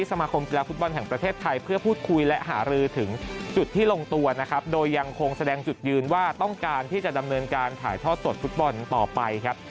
แสดงจุดยืนต้องการที่จะดำเนินการถ่ายท่อสดฟุตบอลต่อไปครับ